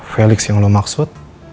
felix yang lo maksud